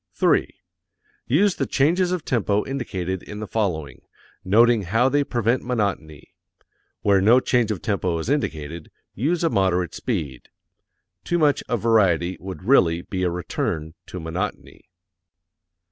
3. Use the changes of tempo indicated in the following, noting how they prevent monotony. Where no change of tempo is indicated, use a moderate speed. Too much of variety would really be a return to monotony.